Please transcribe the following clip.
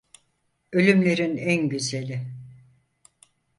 Ölümlerin en güzeli...